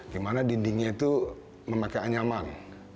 di mana dindingnya itu memakai anyaman